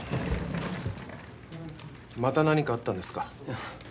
また何かあったんですか？